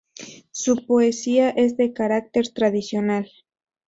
Su poesía es de carácter tradicional.